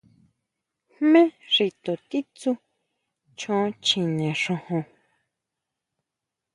¿Jmé xi to titsú choo chine xojon?